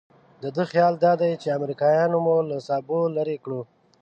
د ده خیال دادی چې امریکایانو مو له سابو لرې کړو.